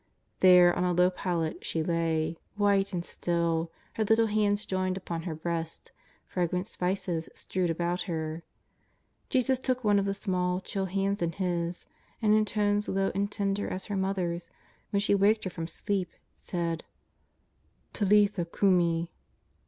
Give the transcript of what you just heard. There, on a low pallet, she lay, white and still, her little hands joined upon her breast, fragrant spices strewed about her. Jesus took one of the small, chill hands in His, and in tones low and tender as her mother's, when she waked her from sleep, said :" Talitha cumi!